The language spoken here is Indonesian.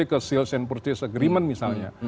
ke sales and purchase agreement misalnya